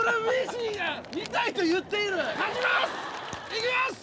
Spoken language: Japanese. いきます！